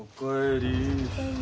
お帰り。